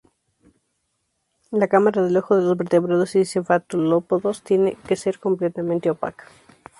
La cámara del ojo de los vertebrados y cefalópodos tiene que ser completamente opaca.